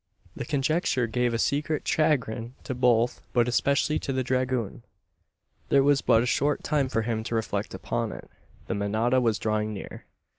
The conjecture gave a secret chagrin to both, but especially to the dragoon. There was but short time for him to reflect upon it; the manada was drawing near.